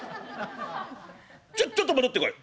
ちょちょっと戻ってこい」。